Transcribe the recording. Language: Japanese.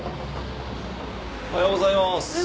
おはようございます。